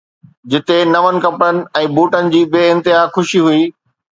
جتي نون ڪپڙن ۽ بوٽن جي بي انتها خوشي هئي.